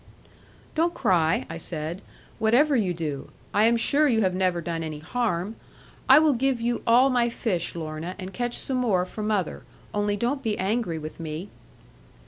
'Don't cry,' I said, 'whatever you do. I am sure you have never done any harm. I will give you all my fish Lorna, and catch some more for mother; only don't be angry with me.'